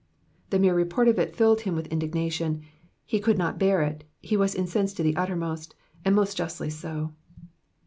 '^^ The mere report of it filled him with indignatioa ; he could not bear it, he was incensed to the uttermost, and most justly so.